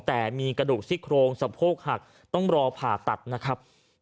แต่มีกระดูกซี่โครงสะโพกหักต้องรอผ่าตัดนะครับ